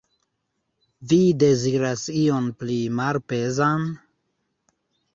Vi deziras ion pli malpezan?